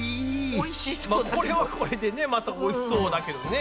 これはこれでねまたおいしそうだけどね。